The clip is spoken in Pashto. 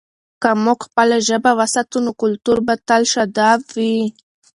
که موږ خپله ژبه وساتو، نو کلتور به تل شاداب وي.